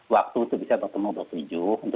waktu untuk bisa bertemu bertujuh